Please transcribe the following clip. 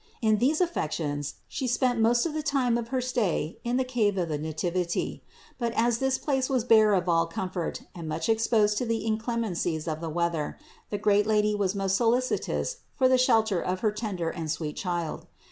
In these affections She spent most of the time of her stay in the cave of the Nativity. But as this place was bare of all comfort and much exposed to the inclemencies of the weather, the great Lady was most solicitous for the shelter of her tender and sweet Child.